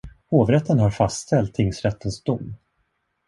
Hovrätten har fastställt tingsrättens dom.